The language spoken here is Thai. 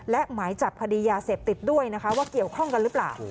และหมายจับคดียาเสพติดด้วยนะคะว่าเกี่ยวข้องกันหรือเปล่า